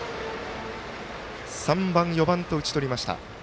３番、４番と打ち取りました。